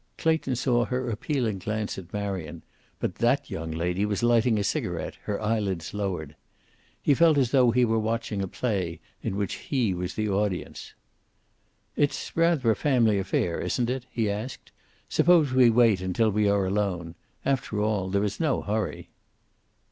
Clayton saw her appealing glance at Marion, but that young lady was lighting a cigaret, her eyelids lowered. He felt as though he were watching a play, in which he was the audience. "It's rather a family affair, isn't it?" he asked. "Suppose we wait until we are alone. After all, there is no hurry."